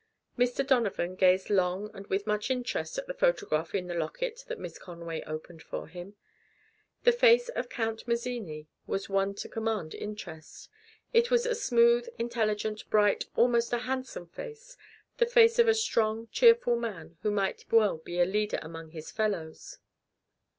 Mr. Donovan gazed long and with much interest at the photograph in the locket that Miss Conway opened for him. The face of Count Mazzini was one to command interest. It was a smooth, intelligent, bright, almost a handsome face the face of a strong, cheerful man who might well be a leader among his fellows.